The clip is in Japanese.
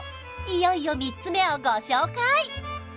いよいよ３つ目をご紹介